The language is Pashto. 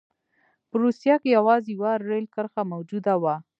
په روسیه کې یوازې یوه رېل کرښه موجوده وه.